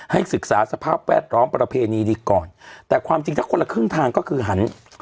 ศึกษาสภาพแวดล้อมประเพณีดีก่อนแต่ความจริงถ้าคนละครึ่งทางก็คือหัน